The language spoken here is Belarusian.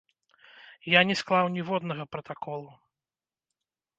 Я не склаў ніводнага пратаколу.